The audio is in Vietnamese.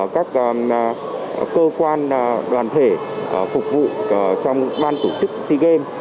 các cơ quan đoàn thể phục vụ trong ban tổ chức sea games